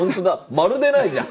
まるでないじゃん。